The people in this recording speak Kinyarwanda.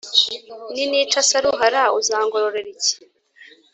ninica Saruhara uzangororera iki?